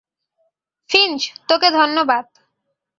Finch, তোকে ধন্যবাদ।